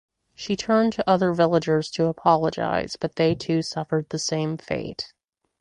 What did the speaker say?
She turned to other villagers to apologize but they too suffered the same fate.